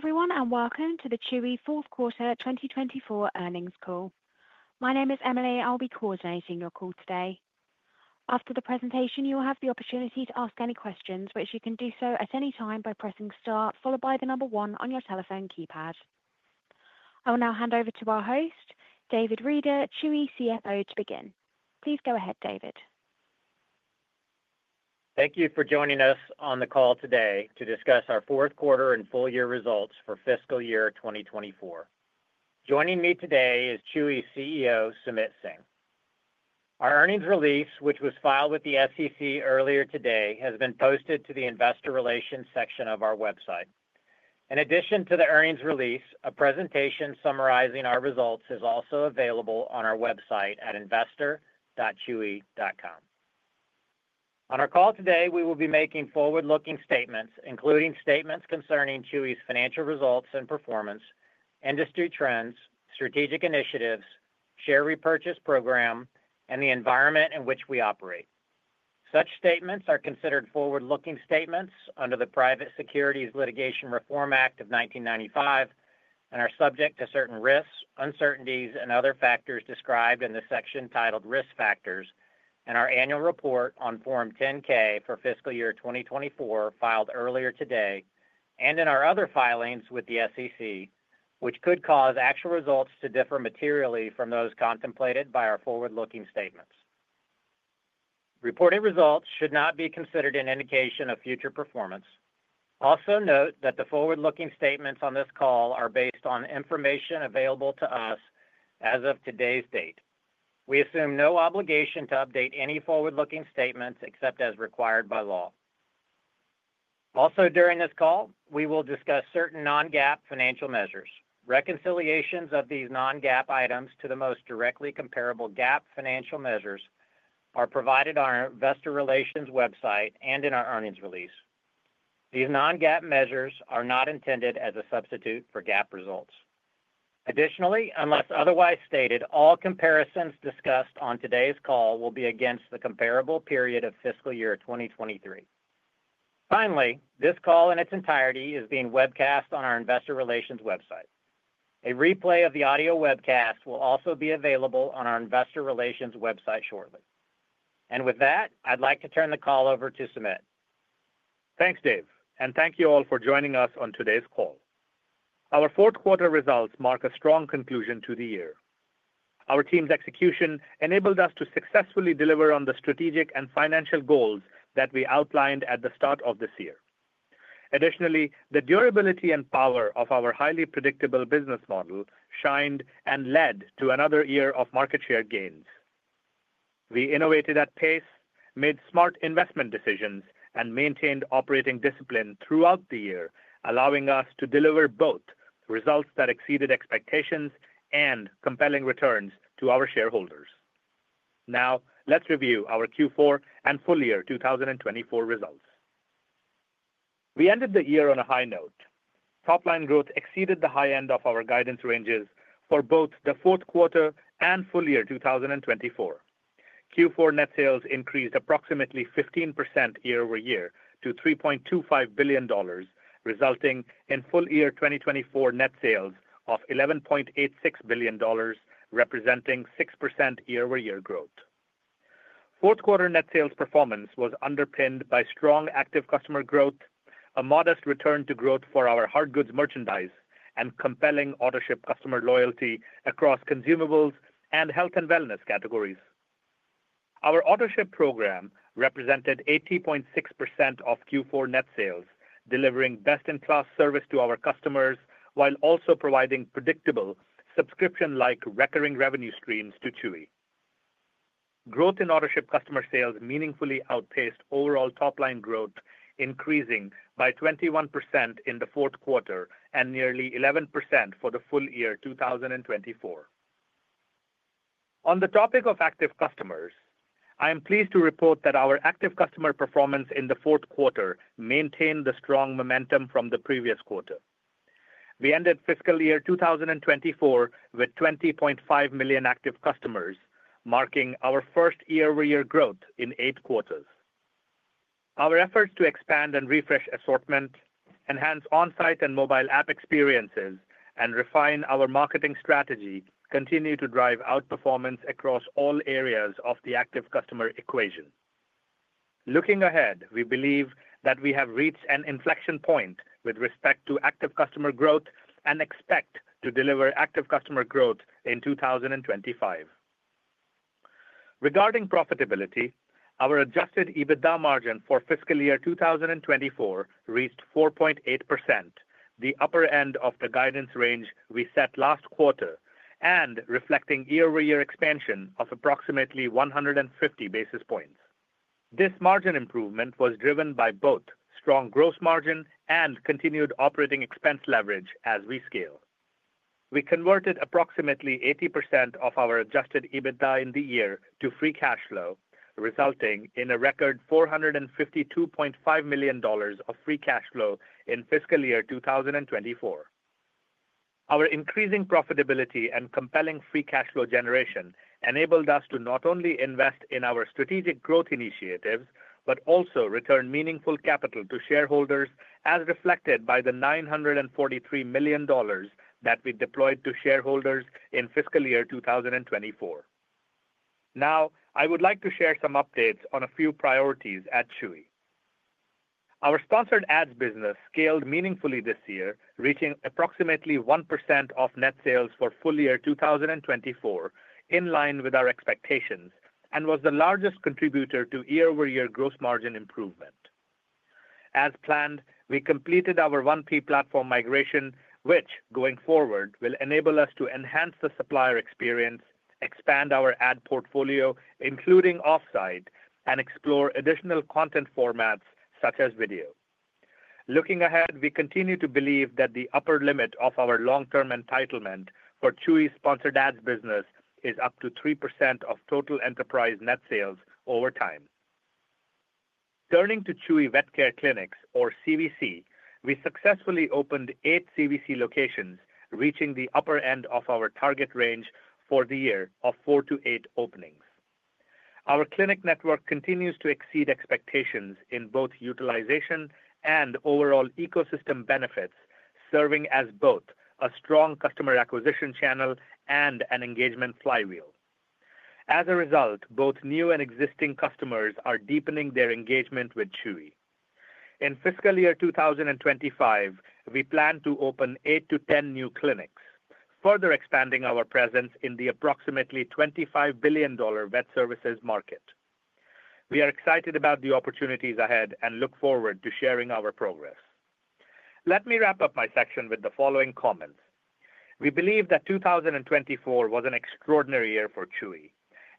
Hello everyone and welcome to the Chewy fourth quarter 2024 earnings call. My name is Emily. I'll be coordinating your call today. After the presentation you will have the opportunity to ask any questions which you can do so at any time by pressing star followed by the number one on your telephone keypad. I will now hand over to our host David Reeder, Chewy CFO, to begin. Please go ahead David. Thank you for joining us on the call today to discuss our fourth quarter and full year results for fiscal year 2024. Joining me today is Chewy's CEO Sumit Singh. Our earnings release, which was filed with the SEC earlier today, has been posted to the Investor Relations section of our website. In addition to the earnings release, a presentation summarizing our results is also available on our website at investor.chewy.com. On our call today we will be making forward looking statements including statements concerning Chewy's financial results and performance, industry trends, strategic initiatives, share repurchase program and the environment in which we operate. Such statements are considered forward looking statements under the Private Securities Litigation Reform Act of 1995 and are subject to certain risks, uncertainties and other factors described in the section titled Risk Factors in our annual report on Form 10-K for fiscal year 2024 filed earlier today and in our other filings with the SEC, which could cause actual results to differ materially from those contemplated by our forward looking statements. Reported results should not be considered an indication of future performance. Also note that the forward looking statements on this call are based on information available to us as of today's date. We assume no obligation to update any forward looking statements except as required by law. Also during this call we will discuss certain non-GAAP financial measures. Reconciliations of these non-GAAP items to the most directly comparable GAAP financial measures are provided on our Investor Relations website and in our earnings release. These non-GAAP measures are not intended as a substitute for GAAP results. Additionally, unless otherwise stated, all comparisons discussed on today's call will be against the comparable period of fiscal year 2023. Finally, this call in its entirety is being webcast on our Investor Relations website. A replay of the audio webcast will also be available on our Investor Relations website shortly and with that I'd like to turn the call over to Sumit. Thanks Dave and thank you all for joining us on today's call. Our fourth quarter results mark a strong conclusion to the year. Our team's execution enabled us to successfully deliver on the strategic and financial goals that we outlined at the start of this year. Additionally, the durability and power of our highly predictable business model shined and led to another year of market share gains. We innovated at pace, made smart investment decisions and maintained operating discipline throughout the year, allowing us to deliver both results that exceeded expectations and compelling returns to our shareholders. Now let's review our Q4 and full year 2024 results. We ended the year on a high note. Top line growth exceeded the high end of our guidance ranges for both the fourth quarter and full year 2024. Q4 net sales increased approximately 15% year-over-year to $3.25 billion, resulting in full year 2024 net sales of $11.86 billion, representing 6% year-over-year growth. Fourth quarter net sales performance was underpinned by strong active customer growth, a modest return to growth for our hard goods merchandise, and compelling Autoship customer loyalty across consumables and health and wellness categories. Our Autoship program represented 80.6% of Q4 net sales, delivering best in class service to our customers while also providing predictable subscription-like recurring revenue streams to Chewy. Growth in Autoship customer sales meaningfully outpaced overall top line growth, increasing by 21% in the fourth quarter and nearly 11% for the full year 2024. On the topic of active customers, I am pleased to report that our active customer performance in the fourth quarter maintained the strong momentum from the previous quarter. We ended fiscal year 2024 with 20.5 million active customers, marking our first year-over-year growth in eight quarters. Our efforts to expand and refresh assortment, enhance on site and mobile app experiences, and refine our marketing strategy continue to drive outperformance across all areas of the active customer equation. Looking ahead, we believe that we have reached an inflection point with respect to active customer growth and expect to deliver active customer growth in 2025. Regarding profitability, our adjusted EBITDA margin for fiscal year 2024 reached 4.8%, the upper end of the guidance range we set last quarter and reflecting year-over-year expansion of approximately 150 basis points. This margin improvement was driven by both strong gross margin and continued operating expense leverage. As we scale, we converted approximately 80% of our adjusted EBITDA in the year to free cash flow, resulting in a record $452.5 million of free cash flow in fiscal year 2024. Our increasing profitability and compelling free cash flow generation enabled us to not only invest in our strategic growth initiatives, but also return meaningful capital to shareholders as reflected by the $943 million that we deployed to shareholders in fiscal year 2024. Now I would like to share some updates on a few priorities at Chewy. Our Sponsored Ads business scaled meaningfully this year, reaching approximately 1% of net sales for full year 2024 in line with our expectations and was the largest contributor to year-over-year gross margin improvement. As planned, we completed our 1P platform migration which going forward will enable us to enhance the supplier experience, expand our ad portfolio including off site, and explore additional content formats such as video. Looking ahead, we continue to believe that the upper limit of our long term entitlement for Chewy's Sponsored Ads business is up to 3% of total enterprise net sales over time. Turning to Chewy Vet Care clinics or CVC, we successfully opened eight CVC locations, reaching the upper end of our target range for the year of four to eight openings. Our clinic network continues to exceed expectations in both utilization and overall ecosystem benefits, serving as both a strong customer acquisition channel and an engagement flywheel. As a result, both new and existing customers are deepening their engagement with Chewy. In fiscal year 2025 we plan to open 8-10 new clinics, further expanding our presence in the approximately $25 billion vet services market. We are excited about the opportunities ahead and look forward to sharing our progress. Let me wrap up my section with the following comments. We believe that 2024 was an extraordinary year for Chewy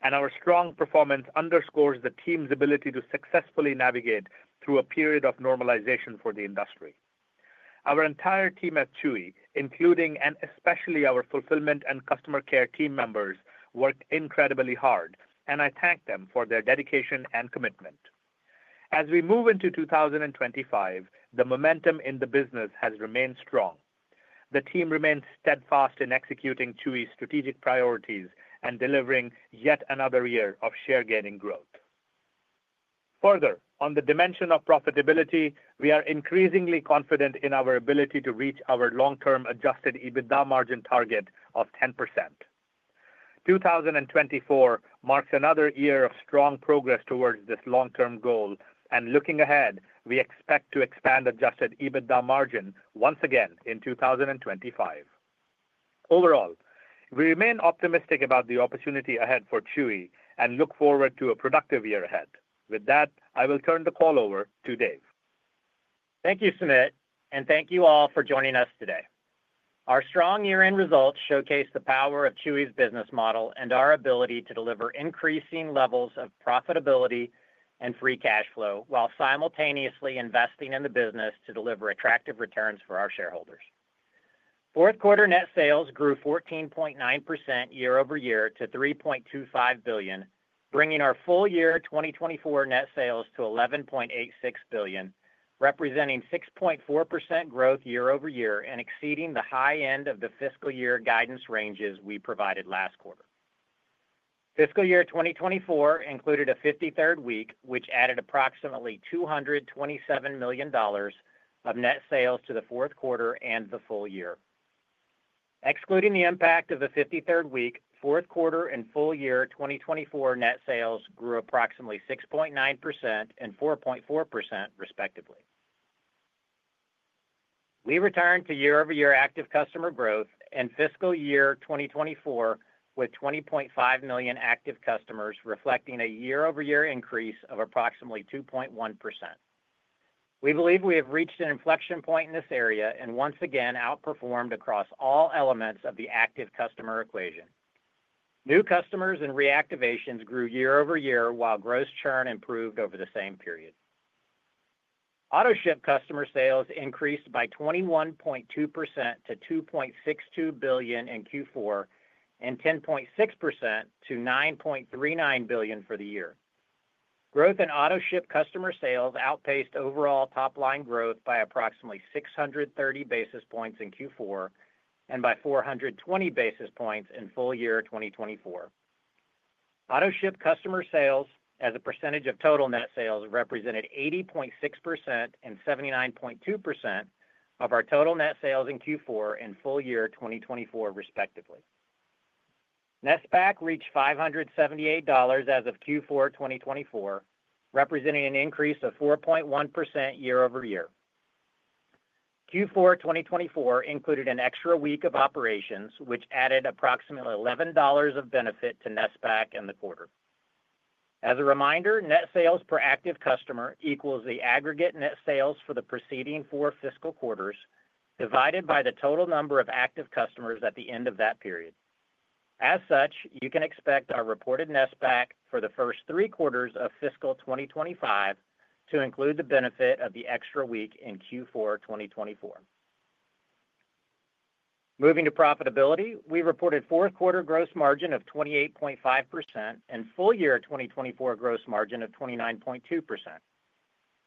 and our strong performance underscores the team's ability to successfully navigate through a period of normalization for the industry. Our entire team at Chewy, including and especially our fulfillment and customer care team members, worked incredibly hard and I thank them for their dedication and commitment. As we move into 2025, the momentum in the business has remained strong. The team remains steadfast in executing Chewy's strategic priorities and delivering yet another year of share gaining growth. Further on the dimension of profitability, we are increasingly confident in our ability to reach our long term adjusted EBITDA margin target of 10%. 2024 marks another year of strong progress towards this long term goal and looking ahead we expect to expand adjusted EBITDA margin once again in 2025. Overall, we remain optimistic about the opportunity ahead for Chewy and look forward to a productive year ahead. With that, I will turn the call over to Dave. Thank you Sumit and thank you all for joining us today. Our strong year end results showcase the power of Chewy's business model and our ability to deliver increasing levels of product profitability and free cash flow while simultaneously investing in the business to deliver attractive returns for our shareholders. Fourth quarter net sales grew 14.9% year-over-year to $3.25 billion, bringing our full year 2024 net sales to $11.86 billion, representing 6.4% growth year-over-year and exceeding the high end of the fiscal year guidance ranges we provided last quarter. Fiscal year 2024 included a 53rd week which added approximately $227 million of net sales to the fourth quarter and the full year. Excluding the impact of the 53rd week, fourth quarter and full year 2024 net sales grew approximately 6.9% and 4.4% respectively. We returned to year-over-year active customer growth in fiscal year 2024 with 20.5 million active customers, reflecting a year-over-year increase of approximately 2.1%. We believe we have reached an inflection point in this area and once again outperformed across all elements of the active customer equation. New customers and reactivations grew year-over-year while gross churn improved over the same period. Autoship customer sales increased by 21.2% to $2.62 billion in Q4 and 10.6% to $9.39 billion for the year. Growth in Autoship customer sales outpaced overall top line growth by approximately 630 basis points in Q4 and by 420 basis points in full year 2024. Autoship customer sales as a percentage of total net sales represented 80.6% and 79.2% of our total net sales in Q4 and full year 2024 respectively. NSPAC reached $578 as of Q4 2024, representing an increase of 4.1% year-over-year. Q4 2024 included an extra week of operations which added approximately $11 of benefit to NSPAC in the quarter. As a reminder, net sales per active customer equals the aggregate net sales for the preceding four fiscal quarters divided by the total number of active customers at the end of that period. As such, you can expect our reported NSPAC for the first three quarters of fiscal 2025 to include the benefit of the extra week in Q4 2024. Moving to profitability, we reported fourth quarter gross margin of 28.5% and full year 2024 gross margin of 29.2%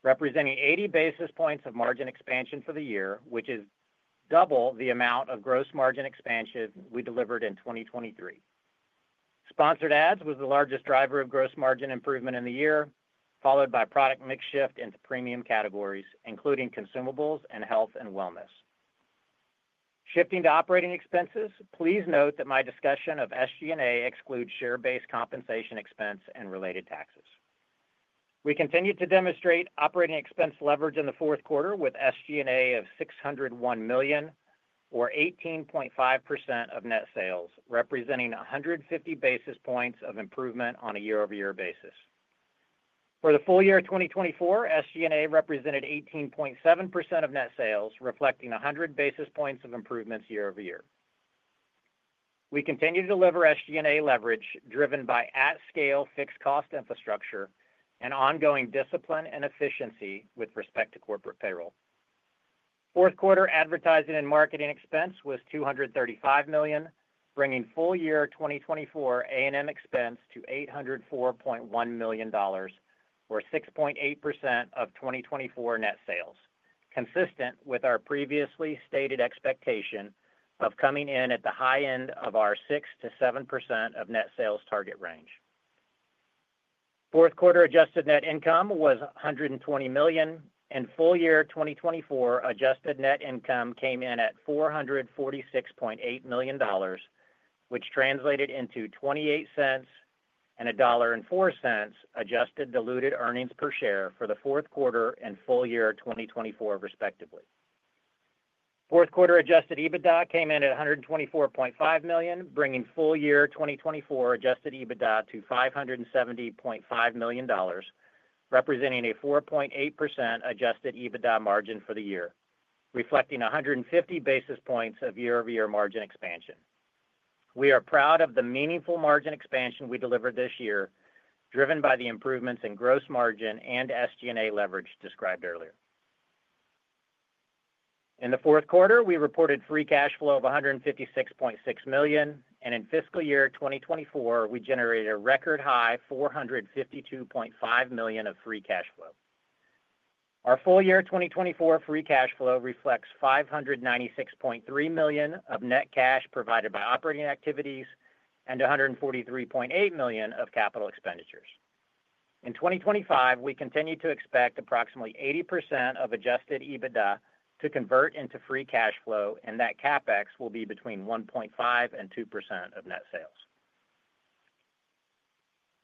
representing 80 basis points of margin expansion for the year, which is double the amount of gross margin expansion we delivered in 2023. Sponsored Ads was the largest driver of gross margin improvement in the year, followed by product mix shift into premium categories including Consumables and Health and Wellness shifting to operating expenses. Please note that my discussion of SG&A excludes share-based compensation expense and related taxes. We continue to demonstrate operating expense leverage in the fourth quarter with SG&A of $601 million or 18.5% of net sales, representing 150 basis points of improvement on a year-over-year basis. For the full year 2024, SG&A represented 18.7% of net sales, reflecting 100 basis points of improvement year-over-year. We continue to deliver SG&A leverage driven by at-scale fixed cost infrastructure and ongoing discipline and efficiency with respect to corporate payroll. Fourth quarter advertising and marketing expense was $235 million, bringing full year 2024 A&M expense to $804.1 million or 6.8% of 2024 net sales, consistent with our previously stated expectation of coming in at the high end of our 6%-7% of net sales target range. Fourth quarter adjusted net income was $120 million, and full year 2024 adjusted net income came in at $446.8 million, which translated into $0.28 and $1.04 adjusted diluted earnings per share for the fourth quarter and full year 2024, respectively. Fourth quarter adjusted EBITDA came in at $124.5 million, bringing full year 2024 adjusted EBITDA to $570.5 million, representing a 4.8% adjusted EBITDA margin for the year, reflecting 150 basis points of year-over-year margin expansion. We are proud of the meaningful margin expansion we delivered this year, driven by the improvements in gross margin and SG&A leverage described earlier. In the fourth quarter we reported free cash flow of $156.6 million and in fiscal year 2024 we generated a record high $452.5 million of free cash flow. Our full year 2024 free cash flow reflects $596.3 million of net cash provided by operating activities and $143.8 million of capital expenditures. In 2025 we continue to expect approximately 80% of adjusted EBITDA to convert into free cash flow and that CapEx will be between 1.5%-2% of net sales.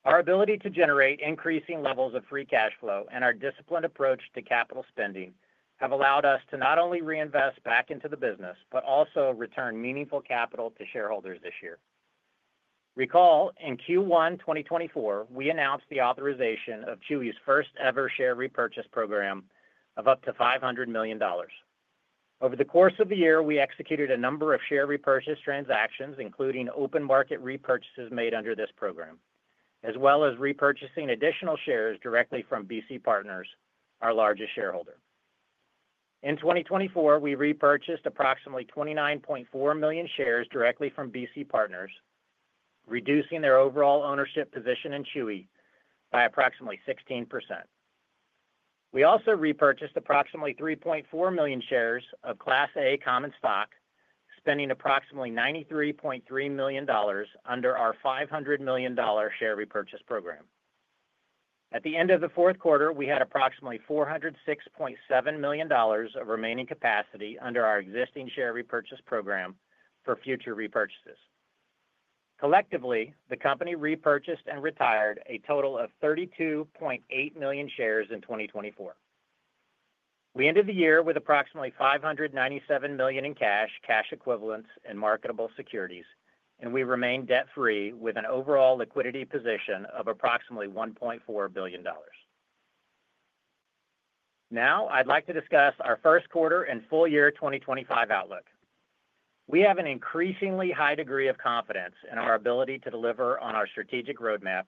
Our ability to generate increasing levels of free cash flow and our disciplined approach to capital spending have allowed us to not only reinvest back into the business but also return meaningful capital to shareholders this year. Recall in Q1 2024 we announced the authorization of Chewy's first ever share repurchase program of up to $500 million. Over the course of the year we executed a number of share repurchase transactions, including open market repurchases made under this program, as well as repurchasing additional shares directly from BC Partners, our largest shareholder. In 2024, we repurchased approximately 29.4 million shares directly from BC Partners, reducing their overall ownership position in Chewy by approximately 16%. We also repurchased approximately 3.4 million shares of Class A common stock, spending approximately $93.3 million under our $500 million share repurchase program. At the end of the fourth quarter, we had approximately $406.7 million of remaining capacity under our existing share repurchase program for future repurchases. Collectively, the company repurchased and retired a total of 32.8 million shares in 2024. We ended the year with approximately $597 million in cash, cash equivalents and marketable securities and we remain debt free with an overall liquidity position of approximately $1.4 billion. Now I'd like to discuss our first quarter and full year 2025 outlook. We have an increasingly high degree of confidence in our ability to deliver on our strategic roadmap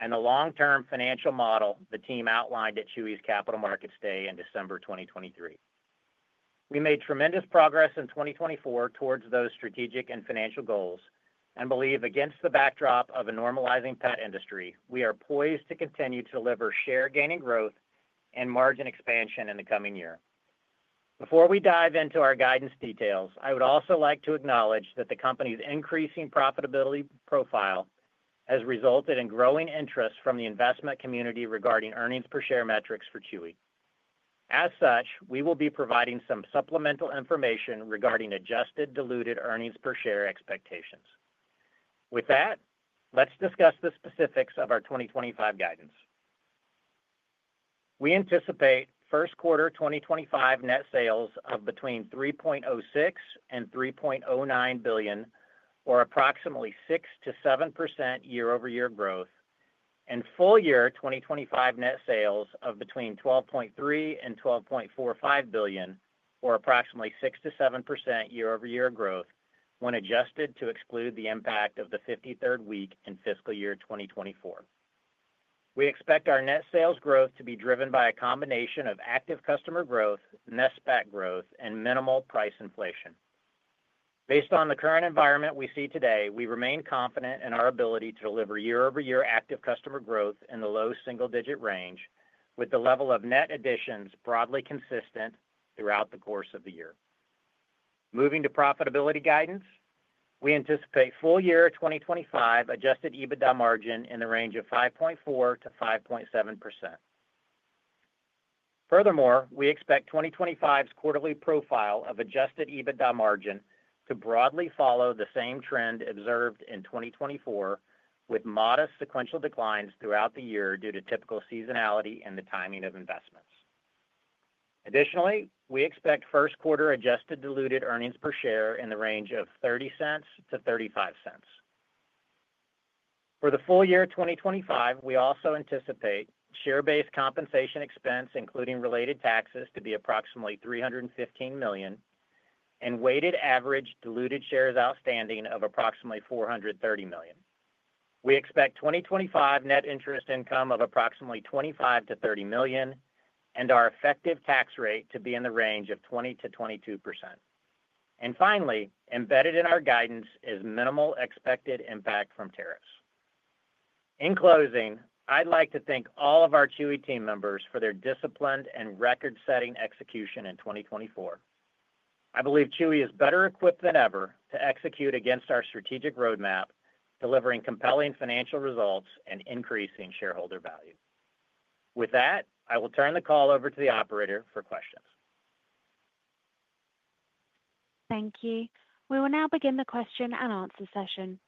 and the long term financial model the team outlined at Chewy's Capital Markets Day in December 2023. We made tremendous progress in 2024 towards those strategic and financial goals and believe against the backdrop of a normalizing pet industry, we are poised to continue to deliver share gaining growth and margin expansion in the coming year. Before we dive into our guidance details, I would also like to acknowledge that the company's increasing profitability profile has resulted in growing interest from the investment community regarding earnings per share metrics for Chewy. As such, we will be providing some supplemental information regarding adjusted diluted earnings per share expectations. With that, let's discuss the specifics of our 2025 guidance. We anticipate first quarter 2025 net sales of between $3.06 billion and $3.09 billion, or approximately 6%-7% year-over-year growth, and full year 2025 net sales of between $12.3 billion and $12.45 billion, or approximately 6%-7% year-over-year growth when adjusted to exclude the impact of the 53rd week in fiscal year 2024. We expect our net sales growth to be driven by a combination of active customer growth, NSPAC growth, and minimal price inflation. Based on the current environment we see today, we remain confident in our ability to deliver year-over-year active customer growth in the low single digit range, with the level of net additions broadly consistent throughout the course of the year. Moving to profitability guidance, we anticipate full year 2025 adjusted EBITDA margin in the range of 5.4%-5.7%. Furthermore, we expect 2025's quarterly profile of adjusted EBITDA margin to broadly follow the same trend observed in 2024, with modest sequential declines throughout the year due to typical seasonality and the timing of investments. Additionally, we expect first quarter adjusted diluted earnings per share in the range of $0.30-$0.35 for the full year 2025. We also anticipate share based compensation expense, including related taxes, to be approximately $315 million and weighted average diluted shares outstanding of approximately 430 million. We expect 2025 net interest income of approximately $25 million-$30 million and our effective tax rate to be in the range of 20%-22%. Finally, embedded in our guidance is minimal expected impact from tariffs. In closing, I'd like to thank all of our Chewy team members for their disciplined and record setting execution in 2024. I believe Chewy is better equipped than ever to execute against our strategic roadmap, delivering compelling financial results and increasing shareholder value. With that, I will turn the call over to the operator for questions. Thank you. We will now begin the question and answer session.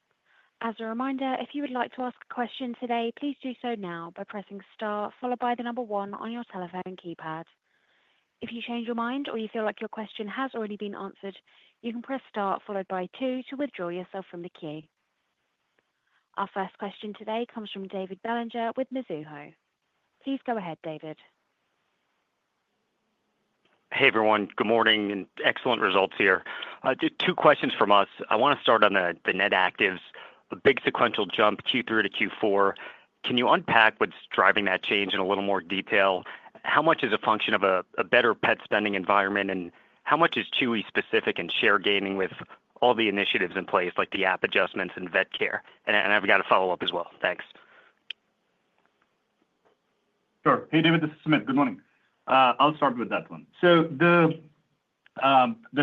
As a reminder, if you would like to ask a question today, please do so now by pressing star followed by the number one on your telephone keypad. If you change your mind or you feel like your question has already been answered, you can press star followed by two to withdraw yourself from the queue. Our first question today comes from David Bellinger with Mizuho. Please go ahead David. Hey everyone. Good morning and excellent results here. Two questions from us. I want to start on the net actives, a big sequential jump Q3 to Q4. Can you unpack what's driving that change in a little more detail? How much is a function of a. Better pet spending environment and how much is Chewy specific and share gaining? With all the initiatives in place like the app adjustments and vet care and. I've got a follow up as well. Thanks. Sure. Hey David, this is Sumit. Good morning. I'll start with that one. The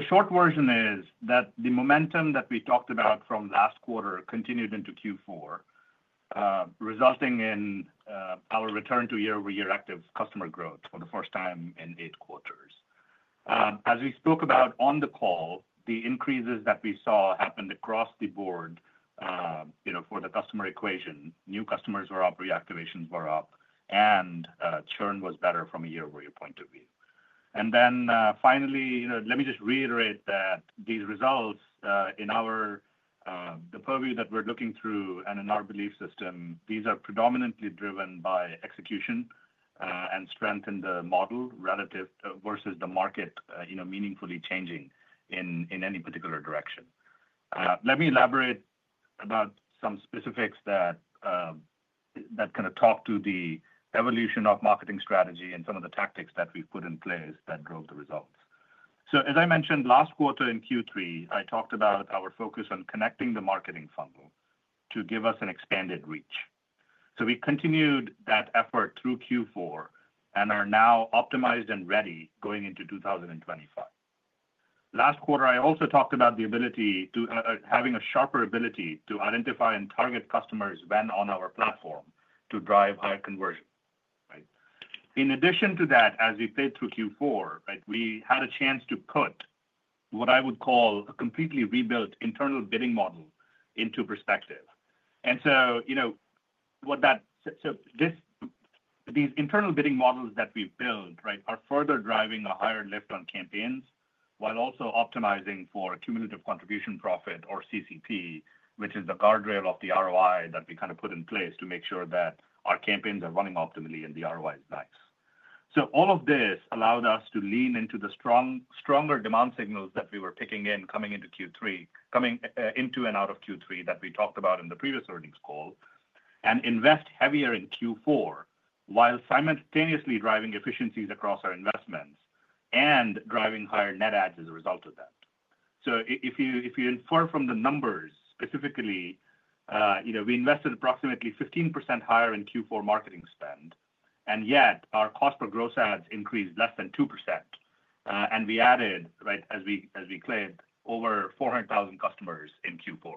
short version is that the momentum that we talked about from last quarter continued into Q4, resulting in our return to year-over-year active customer growth for the first time in eight quarters. As we spoke about on the call, the increases that we saw happened across the board for the customer equation. New customers were up, reactivations were up, and churn was better from a year-over-year point of view. Finally, let me just reiterate that these results, in the purview that we're looking through and in our belief system, are predominantly driven by execution and strength in the model versus the market meaningfully changing in any particular direction. Let me elaborate about some specifics that kind of talk to the evolution of marketing strategy and some of the tactics that we've put in place that drove the results. As I mentioned last quarter in Q3, I talked about our focus on connecting the marketing funnel to give us an expanded reach. We continued that effort through Q4 and are now optimized and ready going into 2025. Last quarter I also talked about the ability to having a sharper ability to identify and target customers when on our platform to drive higher conversion. In addition to that, as we played through Q4, we had a chance to put what I would call a completely rebuilt internal bidding model into perspective. You know what that. These internal bidding models that we build, right. Are further driving a higher lift on campaigns while also optimizing for cumulative contribution profit or CCP, which is the guardrail of the ROI that we kind of put in place to make sure that our campaigns are running optimally and the ROI is nice. All of this allowed us to lean into the strong, stronger demand signals that we were picking in coming into Q3, coming into and out of Q3 that we talked about in the previous call and invest heavier in Q4 while simultaneously driving efficiencies across our investments and driving higher net adds as a result of that. If you infer from the numbers specifically, you know, we invested approximately 15% higher in Q4 marketing spend and yet our cost per gross adds increased less than 2%. We added right as we claimed over 400,000 customers in Q4.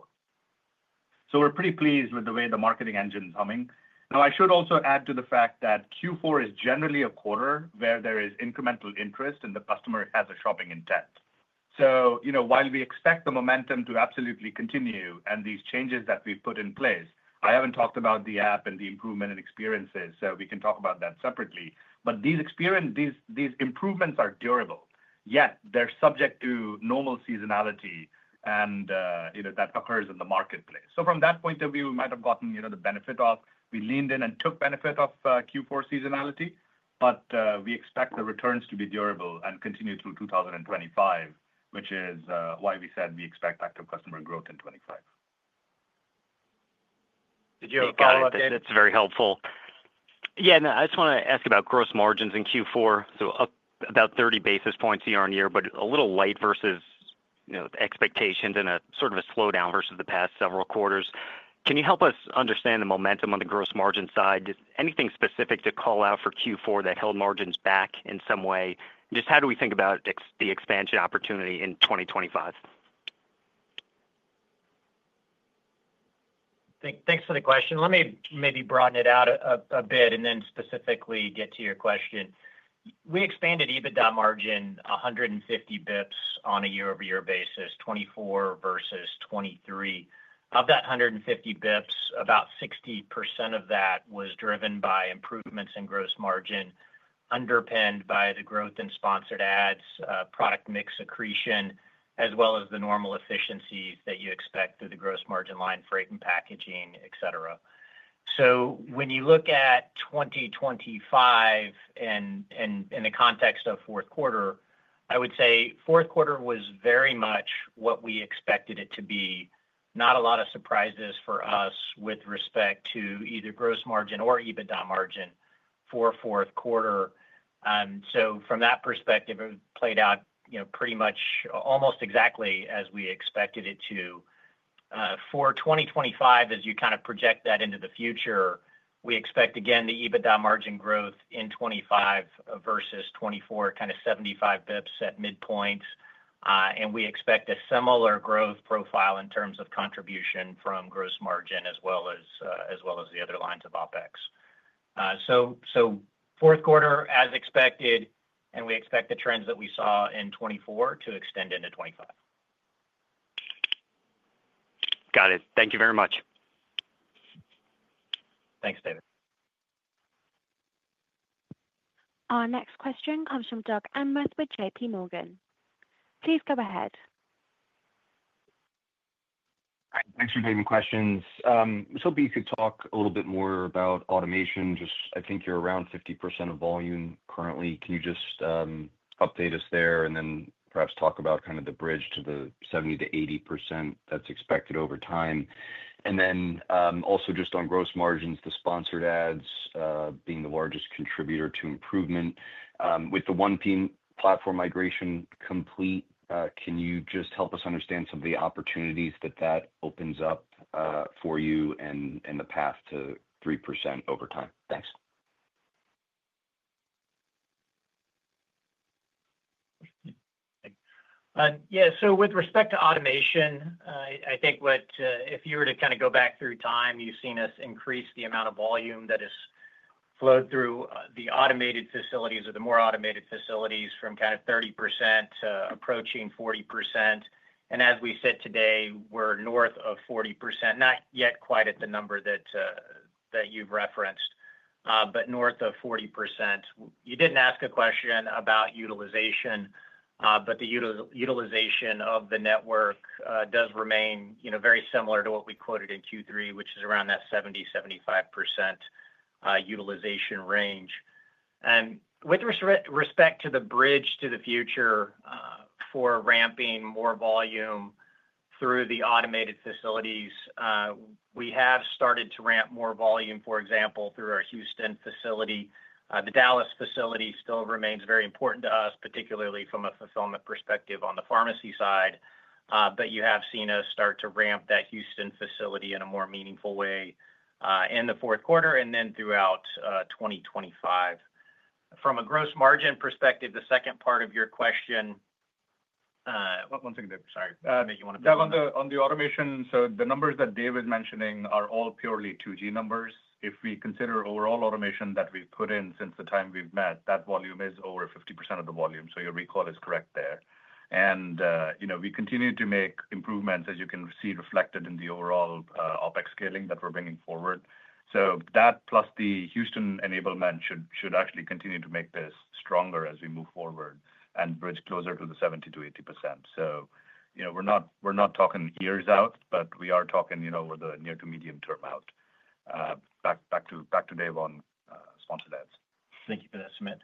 We're pretty pleased with the way the marketing engine is humming now. I should also add to the fact that Q4 is generally a quarter where there is incremental interest and the customer has a shopping intent. You know, while we expect the momentum to absolutely continue and these changes that we've put in place, I haven't talked about the app and the improvement in experiences, so we can talk about that separately. These improvements are durable, yet they're subject to normal seasonality and that occurs in the marketplace. From that point of view, we might have gotten the benefit of, we leaned in and took benefit of Q4 seasonality, but we expect the returns to be durable and continue through 2025, which is why we said we expect active customer growth in 2025. That's very helpful. Yeah. I just want to ask about gross margins in Q4. Up about 30 basis points year on year, but a little light versus expectations and a sort of a slowdown versus the past several quarters. Can you help us understand the momentum on the gross margin side? Anything specific to call out for Q4 that held margins back in some way? Just how do we think about the. Expansion opportunity in 2025? Thanks for the question. Let me maybe broaden it out a bit and then specifically get to your question. We expanded EBITDA margin 150 basis points on a year-over-year basis 2024 versus 2023. Of that 150 basis points, about 60% of that was driven by improvements in gross margin underpinned by the growth in Sponsored Ads, product mix accretion, as well as the normal efficiencies that you expect through the gross margin line, freight and packaging, et cetera. When you look at 2025 and in the context of fourth quarter, I would say fourth quarter was very much what we expected it to be. Not a lot of surprises for us with respect to either gross margin or EBITDA margin for fourth quarter. From that perspective, it played out pretty much almost exactly as we expected it to for 2025. As you kind of project that into the future. We expect again the EBITDA margin growth in 2025 versus 2024 kind of 75 basis points at midpoint. We expect a similar growth profile in terms of contribution from gross margin as well as the other lines of OpEx. Fourth quarter as expected and we expect the trends that we saw in 2024 to extend into 2025. Got it. Thank you very much. Thanks, David. Our next question comes from Doug Anmuth with JPMorgan. Please go ahead. Thanks for taking questions. Could you talk a little bit more about automation. I think you're around 50% of volume currently. Can you just update us there and then perhaps talk about the bridge to the 70-80% that's expected over time. Also, just on gross margins, the Sponsored Ads being the largest contributor to improvement with the 1P platform migration complete. Can you just help us understand some of the opportunities that that opens up for you and the path to 3% over time? Thanks. Yeah. With respect to automation, I think if you were to kind of go back through time, you've seen us increase the amount of volume that has flowed through the automated facilities or the more automated facilities from kind of 30%, approaching 40%. As we said today, we're north of 40%. Not yet quite at the number that you've referenced, but north of 40%. You didn't ask a question about utilization. The utilization of the network does remain, you know, very similar to what we quoted in Q3, which is around that 70%-75% utilization range. With respect to the bridge to the future for ramping more volume through the automated facilities, we have started to ramp more volume, for example, through our Houston facility. The Dallas facility still remains very important to us, particularly from a fulfillment perspective on the pharmacy side. You have seen us start to ramp that Houston facility in a more meaningful way in the fourth quarter and then throughout 2025 from a gross margin perspective. The second part of your question. One second, sorry. On the automation. The numbers that Dave is mentioning are all purely 2G number. If we consider overall automation that we have put in since the time we have met, that volume is over 50% of the volume. Your recall is correct there. You know we continue to make improvements as you can see reflected in the overall OpEx scaling that we are bringing forward. That plus the Houston enablement should actually continue to make this stronger as we move forward and bridge closer to the 70%-80%. You know, we are not talking years out, but we are talking over the near to medium term out. Back to Dave on Sponsored Ads. Thank you for that Sumit.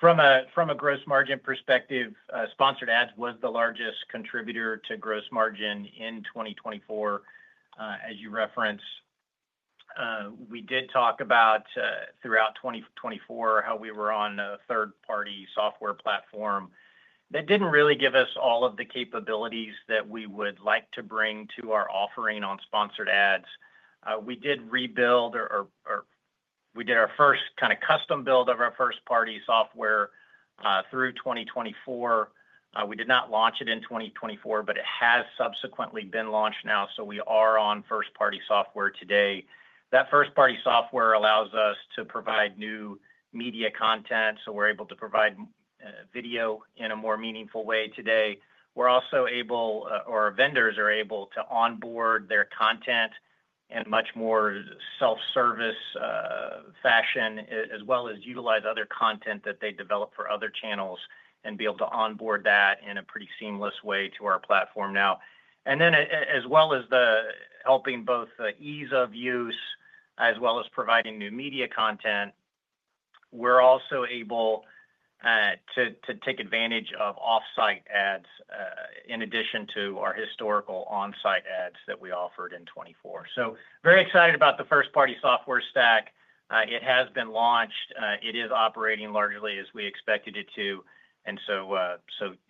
From a gross margin perspective, Sponsored Ads was the largest contributor to gross margin in 2024 as you reference. We did talk about throughout 2024 how we were on a third party software platform that did not really give us all of the capabilities that we would like to bring to our offering. On Sponsored Ads we did rebuild or we did our first kind of custom build of our first party software through 2024. We did not launch it in 2024 but it has subsequently been launched now. We are on first party software today. That first party software allows us to provide new media content so we are able to provide video in a more meaningful way today. We're also able, or vendors are able, to onboard their content in much more self-service fashion, as well as utilize other content that they develop for other channels and be able to onboard that in a pretty seamless way to our platform now and then. As well as helping both ease of use as well as providing new media content, we're also able to take advantage of off-site ads in addition to our historical on-site ads that we offered in 2024. Very excited about the first-party software stack. It has been launched, it is operating largely as we expected it to, and so,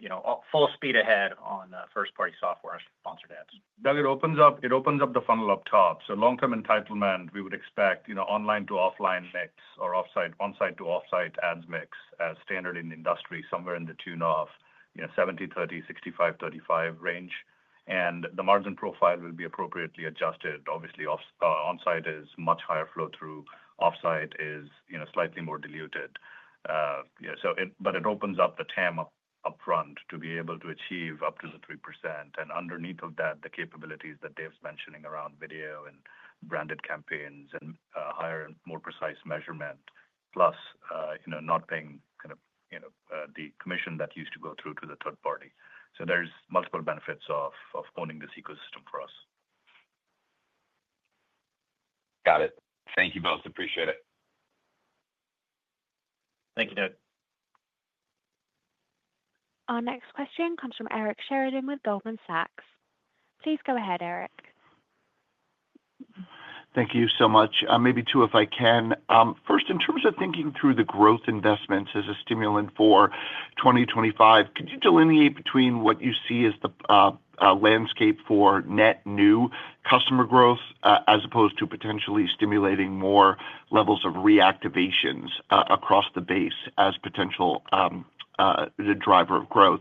you know, full speed ahead on first-party software Sponsored Ads. Doug. It opens up the funnel up top. Long term entitlement we would expect, you know, online to offline mix or on site to off site ads mix as standard in industry somewhere in the tune of, you know, 70-30, 65-35 range and the margin profile will be appropriately adjusted. Obviously on site is much higher flow through, off site is, you know, slightly more diluted. It opens up the TAM up upfront to be able to achieve up to the 3% and underneath of that the capabilities that Dave's mentioning around video and branded campaigns and higher, more precise measurement plus, you know, not paying kind of, you know, the commission that used to go through to the third party. There are multiple benefits of owning this ecosystem for us. Got it. Thank you both. Appreciate it. Thank you, Doug. Our next question comes from Eric Sheridan with Goldman Sachs. Please go ahead, Eric. Thank you so much. Maybe two if I can. First, in terms of thinking through the growth investments as a stimulant for 2025, could you delineate between what you see as the landscape for net new customer growth as opposed to potentially stimulating more levels of reactivations across the base as potential driver of growth?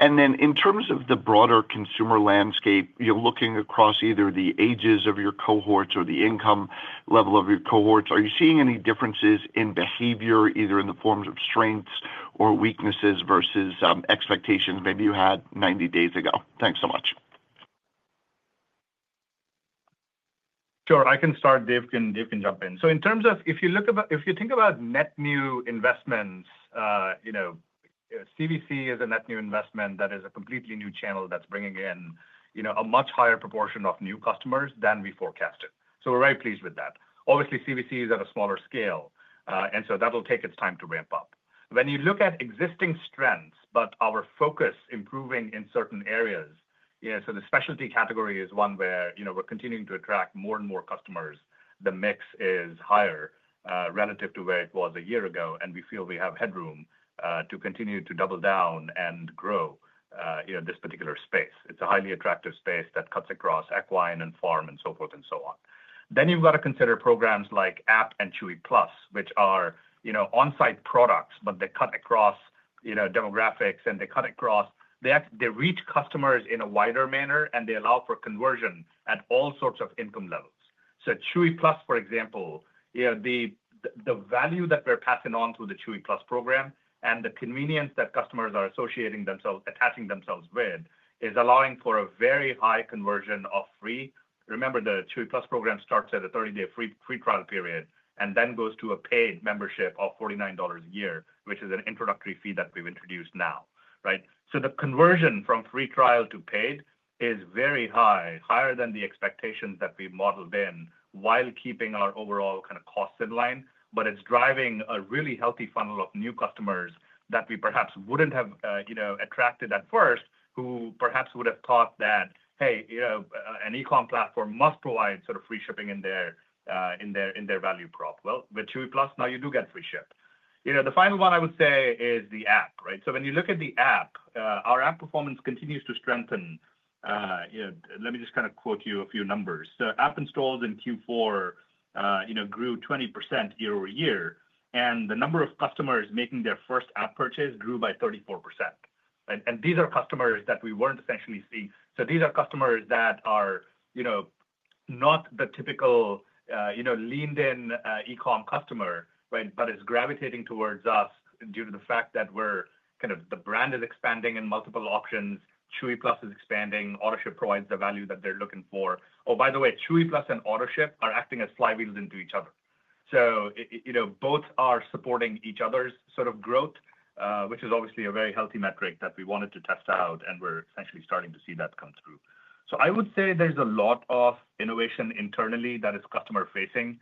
In terms of the broader consumer landscape, you're looking across either the ages of your cohorts or the income level of your cohorts, are you seeing any differences in behavior either in the forms of strengths or weaknesses versus expectations maybe you had 90 days ago. Thanks so much. Sure. I can start. Dave can jump in. In terms of, if you look, if you think about net new investments, CVC is a net new investment that is a completely new channel that's bringing in a much higher proportion of new customers than we forecasted. We are very pleased with that. Obviously CVC is at a smaller scale and so that'll take its time to ramp up when you look at existing strengths, but our focus is improving in certain areas. The specialty category is one where we are continuing to attract more and more customers. The mix is higher relative to where it was a year ago and we feel we have headroom to continue to double down and grow this particular space. It is a highly attractive space that cuts across equine and farm and so forth and so on. You have got to consider programs like app and Chewy+, which are on-site products, but they cut across demographics and they reach customers in a wider manner and they allow for conversion at all sorts of income levels. Chewy+, for example, the value that we are passing on through the Chewy+ program and the convenience that customers are associating themselves, attaching themselves with, is allowing for a very high conversion of free. Remember, the Chewy+ program starts at a 30-day free trial period and then goes to a paid membership of $49 a year, which is an introductory fee that we have introduced now. Right. The conversion from free trial to paid is very high, higher than the expectations that we modeled in while keeping our overall kind of costs in line. It is driving a really healthy funnel of new customers that we perhaps would not have attracted at first. Who perhaps would have thought that, hey, an e-comm platform must provide sort of free shipping in their value prop. With Chewy+ now you do get free shipping. The final one I would say is the app. Right. When you look at the app, our app performance continues to strengthen. Let me just kind of quote you a few numbers. App installs in Q4 grew 20% year-over-year and the number of customers making their first app purchase grew by 34%. These are customers that we were not essentially seeing. These are customers that are, you know, not the typical, you know, leaned-in e-comm customer. Right. It is gravitating towards us due to the fact that we're kind of the brand is expanding in multiple options. Chewy+ is expanding. Autoship provides the value that they're looking for. Oh, by the way, Chewy+ and Autoship are acting as flywheels into each other. You know, both are supporting each other's sort of growth, which is obviously a very healthy metric that we wanted to test out and we're essentially starting to see that come through. I would say there's a lot of innovation internally that is customer facing,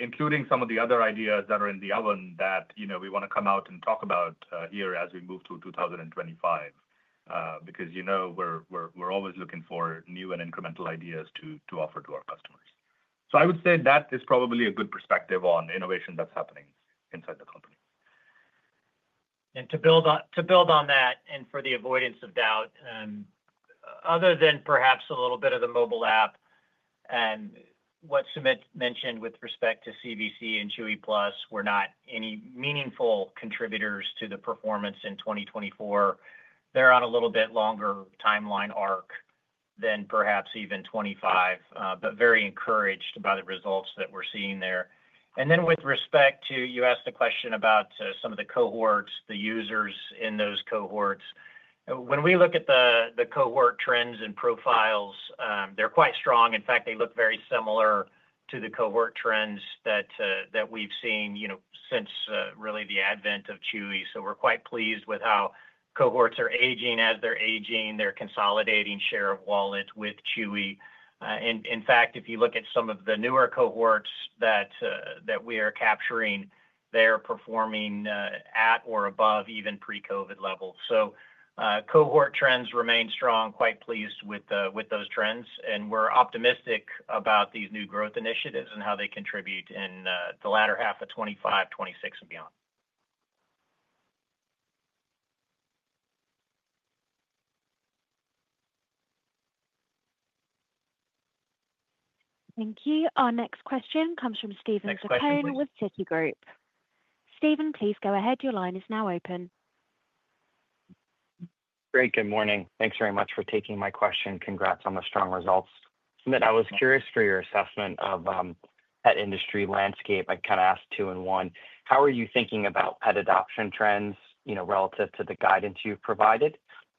including some of the other ideas that are in the oven that we want to come out and talk about here as we move through 2025 because we're always looking for new and incremental ideas to offer to our customers. I would say that is probably a good perspective on innovation that's happening inside the company. To build on that and for the avoidance of doubt, other than perhaps a little bit of the mobile app and what Sumit mentioned with respect to CVC and Chewy+ were not any meaningful contributors to the performance in 2024. They're on a little bit longer timeline arc than perhaps even 2025, but very encouraged by the results that we're seeing there. With respect to you asked the question about some of the cohort, the users in those cohorts, when we look at the cohort trends and profiles, they're quite strong. In fact, they look very similar to the cohort trends that we've seen since really the advent of Chewy. We're quite pleased with how cohorts are aging. As they're aging, they're consolidating share of wallet with Chewy. In fact, if you look at some of the newer cohorts that we are capturing, they are performing at or above even pre-Covid level. Cohort trends remain strong. Quite pleased with those trends and we're optimistic about these new growth initiatives and how they contribute in the latter half of 2025, 2026 and beyond. Thank you. Our next question comes from Steven Zaccone with Citigroup. Steven, please go ahead. Your line is now open. Great. Good morning. Thanks very much for taking my question. Congrats on the strong results. Sumit, I was curious for your assessment of pet industry landscape, I kind of asked two in one. How are you thinking about pet adoption trends, you know, relative to the guidance you've provided?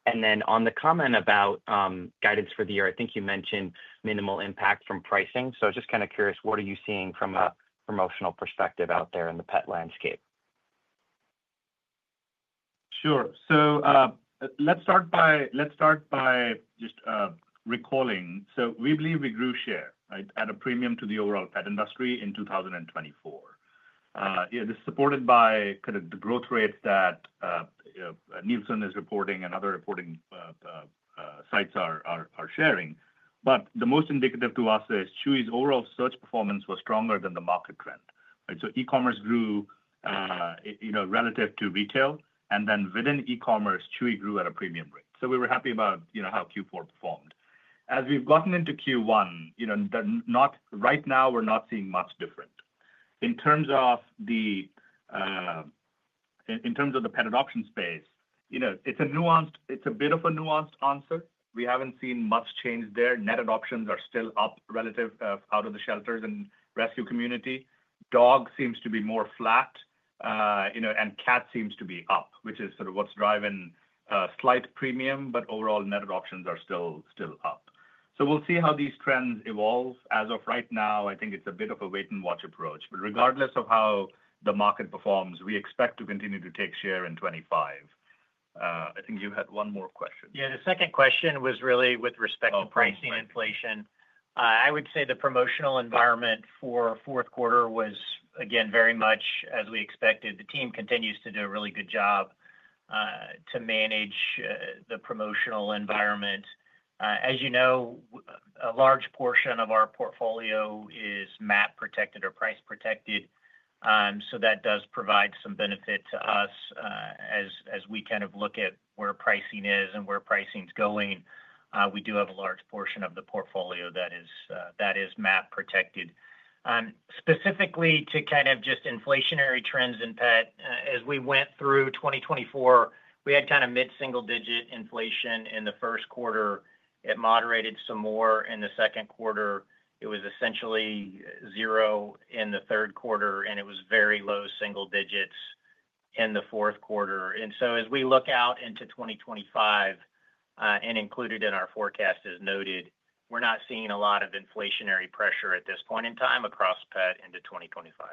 And then on the comment about guidance for the year, I think you mentioned minimal impact from pricing. So just kind of curious, what are you seeing from a promotional perspective out there in the pet landscape? Sure. Let's start by just recalling, we believe we grew share at a premium to the overall pet industry in 2024. This is supported by the growth rates that Nielsen is reporting and other reporting sites are sharing. The most indicative to us is Chewy's overall search performance was stronger than the market trend. E-commerce grew relative to retail, and then within e-commerce, Chewy grew at a premium rate. We were happy about how Q4 performed. As we've gotten into Q1, right now we're not seeing much different in terms of the pet adoption space. It's a bit of a nuanced answer. We haven't seen much change there. Net adoptions are still up. Relative out of the shelters and rescue community, dog seems to be more flat and cat seems to be up, which is sort of what's driving slight premium. Overall net adoptions are still up. We'll see how these trends evolve. As of right now, I think it's a bit of a wait and watch approach. Regardless of how the market performs, we expect to continue to take share in 2025. I think you had one more question. Yeah, the second question was really with respect to pricing inflation, I would say the promotional environment for fourth quarter was again very much as we expected. The team continues to do a really good job to manage the promotional environment. As you know, a large portion of our portfolio is MAP protected or price protected. That does provide some benefit to us as we kind of look at where pricing is and where pricing is going. We do have a large portion of the portfolio that is MAP protected specifically to kind of just inflationary trends in pet. As we went through 2024, we had kind of mid single digit inflation in the first quarter. It moderated some more in the second quarter. It was essentially zero in the third quarter and it was very low single digits in the fourth quarter. As we look out into 2025 and included in our forecast, as noted, we're not seeing a lot of inflationary pressure at this point in time across pet into 2025.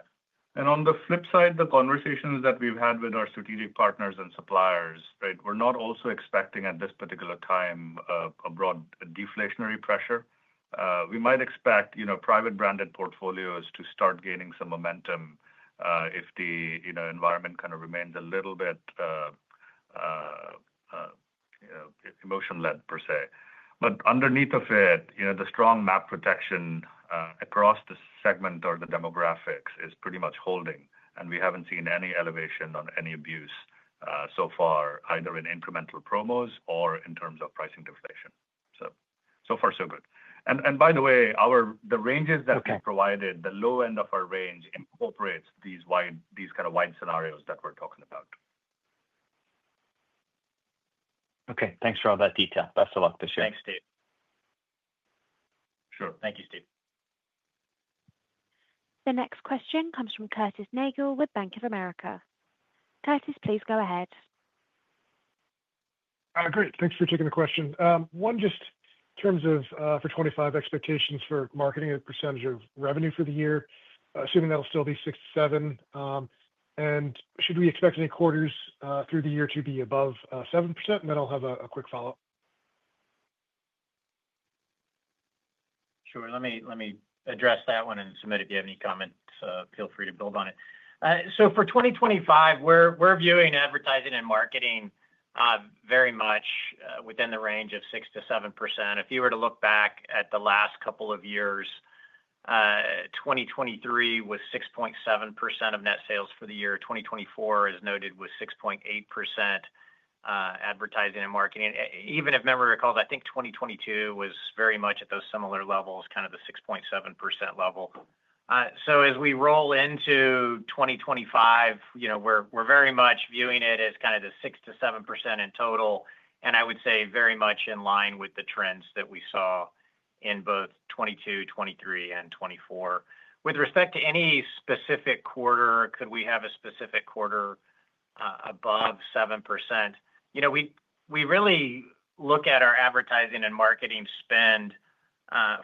On the flip side, the conversations that we've had with our strategic partners and suppliers, we're not also expecting at this particular time a broad deflationary pressure. We might expect private branded portfolios to start gaining some momentum if the environment kind of remains a little bit emotion led per se, but underneath of it, the strong MAP protection across the segment or the demographics is pretty much holding. We haven't seen any elevation on any abuse so far either in incremental promos or in terms of pricing deflation. So far so good. By the way, the ranges that we provided, the low end of our range incorporates these kind of wide scenarios that we're talking about. Okay, thanks for all that detail. Best of luck. Thanks, Steve. Sure. Thank you, Steve. The next question comes from Curtis Nagle with Bank of America. Curtis, please go ahead. Great. Thanks for taking the question. One just in terms of, for 2025 expectations. For marketing, a percentage of revenue for the year, assuming that'll still be 6%-7% and should we expect any. Quarters through the year to be above. 7% and then I'll have a quick follow up. Sure, let me address that one and Sumit, if you have any comments, feel free to build on it. For 2025, we're viewing advertising and marketing very much within the range of 6%-7%. If you were to look back at the last couple of years, 2023 was 6.7% of net sales for the year. 2024, as noted, was 6.8% advertising and marketing. Even if memory recalls, I think 2022 was very much at those similar levels, kind of the 6.7% level. As we roll into 2025, we're very much viewing it as kind of the 6%-7% in total and I would say very much in line with the trends that we saw in both 2022, 2023, and 2024. With respect to any specific quarter, could we have a specific quarter above 7%? You know, we really look at our advertising and marketing spending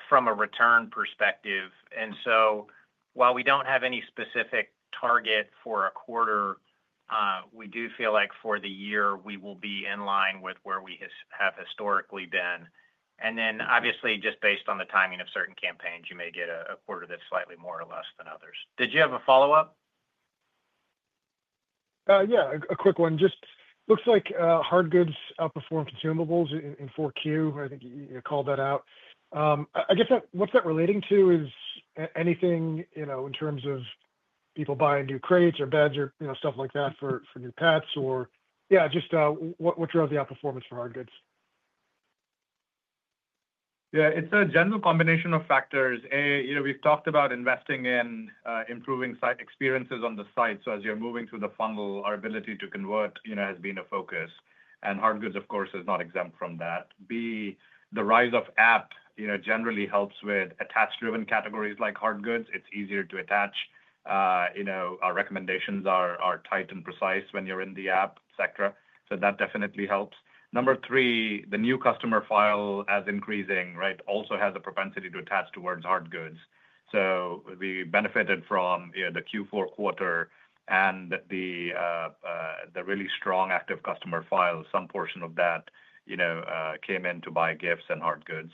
from a return perspective. And so while we do not have any specific target for a quarter, we do feel like for the year we will be in line with where we have historically been. And then obviously just based on the timing of certain campaigns, you may get a quarter that is slightly more or less than others. Did you have a follow up? Yeah, a quick one. Just looks like hard goods outperform consumables in 4Q. I think you called that out. I guess that what's that relating to? Is anything, you know, in terms of. People buying new crates or beds or. You know, stuff like that for new pets or. Yeah, just what drove the outperformance for hard goods? Yeah, it's a general combination of factors. A. You know, we've talked about investing in improving site experiences on the site. As you're moving through the funnel, our ability to convert, you know, has been a focus and hard goods of course is not exempt from that. B. The rise of app generally helps with attach driven categories like hard goods, it's easier to attach. Our recommendations are tight and precise when you're in the app, et cetera. That definitely helps. Number three, the new customer file as increasing also has a propensity to attach towards hard goods. We benefited from the Q4 quarter and the really strong active customer file. Some portion of that came in to buy gifts and hard goods.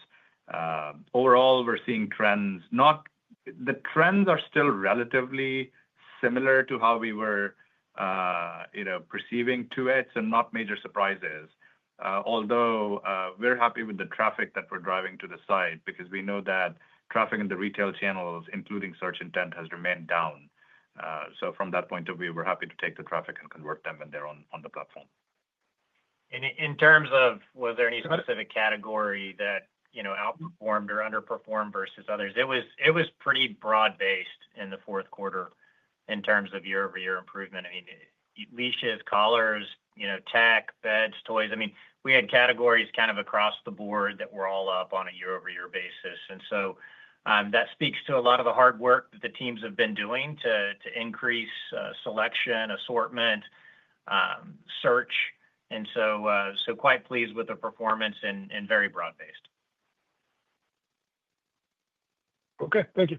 Overall we're seeing trends. The trends are still relatively similar to how we were perceiving to it and not major surprises. Although we're happy with the traffic that we're driving to the site because we know that traffic in the retail channels, including search intent, has remained down. From that point of view we're happy to take the traffic and convert them when they're on the platform. In terms of was there any specific category that outperformed or underperformed versus others? It was pretty broad based in the fourth quarter in terms of year-over-year improvement. Leashes, collars, tech, beds, toys. I mean we had categories kind of across the board that were all up on a year-over-year basis and that speaks to a lot of the hard work that the teams have been doing to increase selection, assortment, search and quite pleased with the performance and very broad based. Okay, thank you.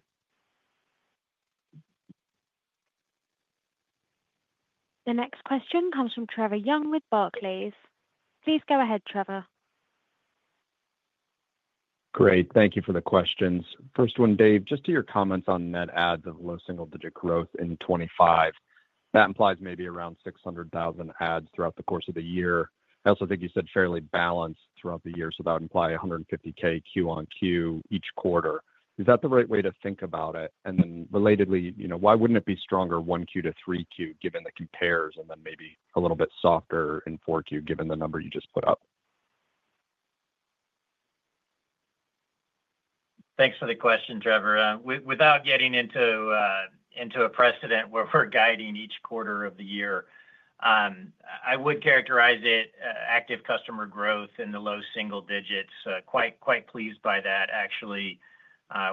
The next question comes from Trevor Young with Barclays. Please go ahead, Trevor. Great, thank you for the questions. First one Dave, just to your comments on net adds of low single digit growth in 2025 that implies maybe around 600,000 adds throughout the course of the year. I also think you said fairly balanced throughout the year so that would imply 150,000 quarter on quarter each quarter. Is that the right way to think about it? Relatedly, you know, why wouldn't it be stronger 1Q to 3Q given the compares and then maybe a little bit softer in Q4 given the number you just put up. Thanks for the question, Trevor. Without getting into a precedent where we're guiding each quarter of the year, I would characterize it as active customer growth in the low single digits. Quite, quite pleased by that actually.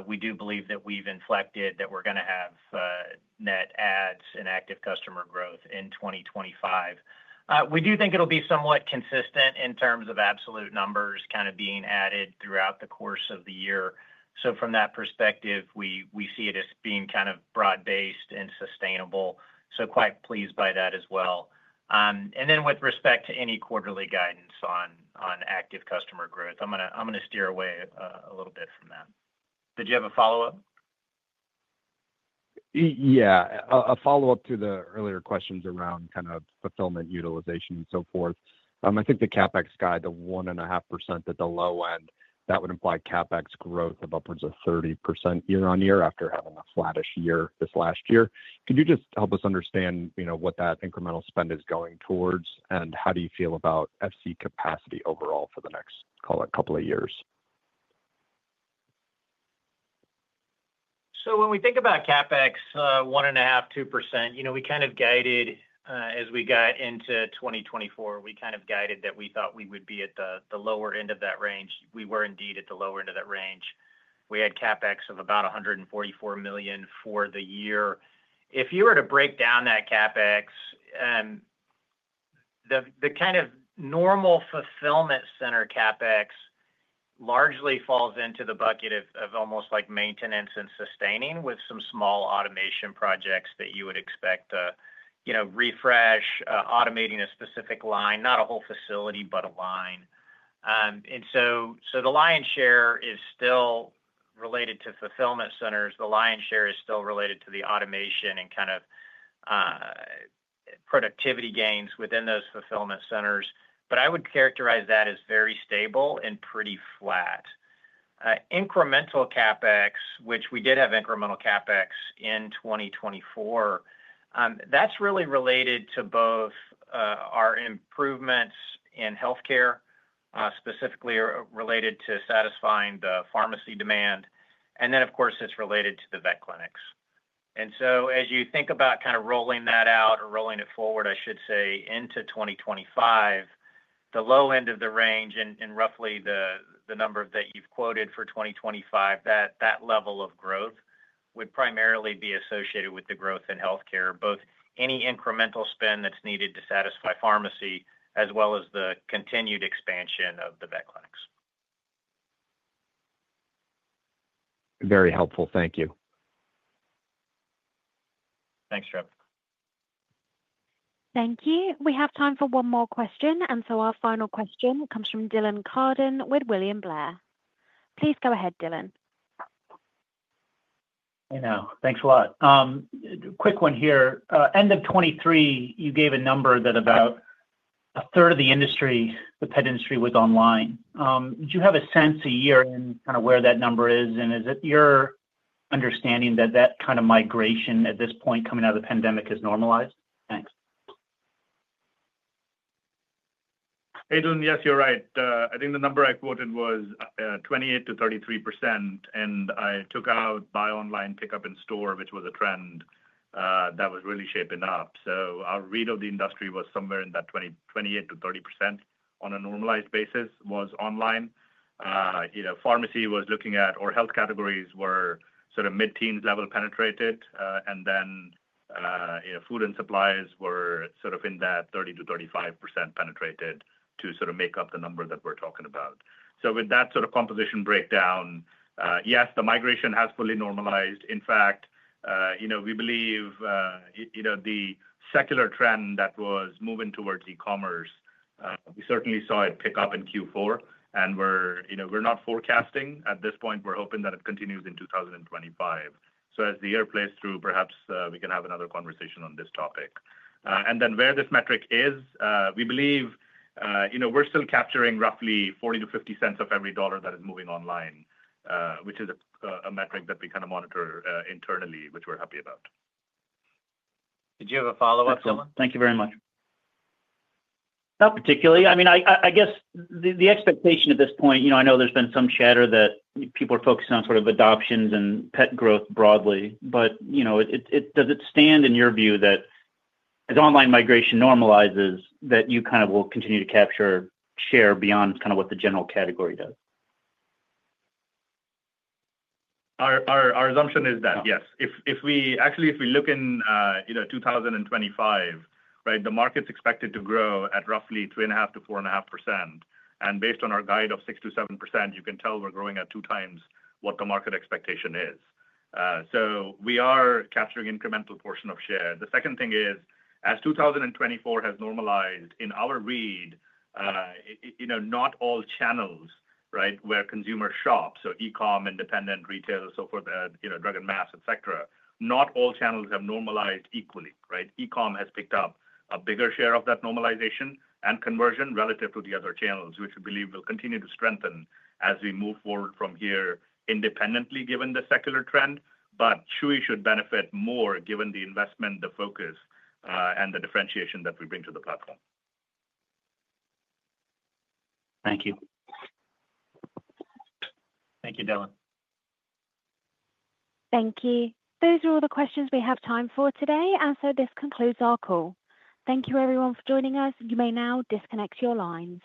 We do believe that we've inflected, that we're going to have net adds and active customer growth in 2025. We do think it'll be somewhat consistent in terms of absolute numbers kind of being added throughout the course of the year. From that perspective, we see it as being kind of broad based and sustainable. Quite pleased by that as well. With respect to any quarterly guidance on active customer growth, I'm going to steer away a little bit from that. Did you have a follow up? Yeah, a follow up to the earlier questions around kind of fulfillment utilization and so forth. I think the CapEx guide, the 1.5% at the low end, that would imply CapEx growth of upwards of 30% year on year after having a flattish year this last year. Could you just help us understand what that incremental spend is going towards and how do you feel about FC capacity overall for the next, call it, a couple of years. When we think about CapEx, 1.5%-2%, you know, we kind of guided as we got into 2024, we kind of guided that we thought we would be at the lower end of that range. We were indeed at the lower end of that range. We had CapEx of about $144 million for the year. If you were to break down that CapEx and the kind of normal fulfillment center CapEx, it largely falls into the bucket of almost like maintenance and sustaining with some small automation projects that you would expect, you know, refresh, automating a specific line, not a whole facility, but a line. The lion's share is still related to fulfillment centers. The lion's share is still related to the automation and kind of productivity gains within those fulfillment centers. I would characterize that as very stable and pretty flat incremental CapEx, which we did have incremental CapEx in 2024. That is really related to both our improvements in healthcare, specifically related to satisfying the pharmacy demand. Of course, it is related to the vet clinics. As you think about kind of rolling that out or rolling it forward, I should say into 2025, the low end of the range and roughly the number that you have quoted for 2025, that level of growth would primarily be associated with the growth in healthcare, both any incremental spend that is needed to satisfy pharmacy as well as the continued expansion of the vet clinics. Very helpful. Thank you. Thanks, Trevor. Thank you. We have time for one more question. Our final question comes from Dylan Carden with William Blair. Please go ahead, Dylan. Thanks a lot. Quick one here. End of 2023, you gave a number that about a third of the industry, the pet industry, was online. Do you have a sense a year in kind of where that number is? Is it your understanding that that kind of migration at this point coming out of the pandemic has normalized? Thanks. Yes, you're right. I think the number I quoted was 28%-33% and I took out Buy Online, Pickup in Store, which was a trend that was really shaping up. Our read of the industry was somewhere in that 28%-30% on a normalized basis was online. Pharmacy was looking at or health categories were sort of mid teens level penetrated and then food and supplies were sort of in that 30%-35% penetrated to make up the number that we're talking about. With that composition breakdown, yes, the migration has fully normalized. In fact, we believe the secular trend that was moving towards e-commerce, we certainly saw it pick up in Q4. We're not forecasting at this point. We're hoping that it continues in 2025. As the year plays through, perhaps we can have another conversation on this topic. Where this metric is, we believe we're still capturing roughly $0.40-$0.50 of every dollar that is moving online, which is a metric that we kind of monitor internally, which we're happy about. Did you have a follow up? Thank you very much. Not particularly. I mean, I guess the expectation at this point, you know, I know there's been some chatter that people are focusing on sort of adoptions and pet growth broadly. You know, does it stand in your view that as online migration normalizes that you kind of will continue to. Capture share beyond kind of what the general category does? Our assumption is that, yes, if we actually, if we look in 2025, right, the market's expected to grow at roughly 3.5%-4.5%. And based on our guide of 6%-7%, you can tell we're growing at two times what the market expectation is. So we are capturing incremental portion of share. The second thing is, as 2024 has normalized in our read, not all channels where consumers shop, so e-comm. Independent retailers, so for the drug and mass, et cetera, not all channels have normalized equally. E-comm has picked up a bigger share of that normalization and conversion relative to the other channels, which we believe will continue to strengthen as we move forward from here independently, given the secular trend. Chewy should benefit more given the investment, the focus and the differentiation that we bring to the platform. Thank you. Thank you, Dylan. Thank you. Those are all the questions we have time for today. This concludes our call. Thank you everyone for joining us. You may now disconnect your lines.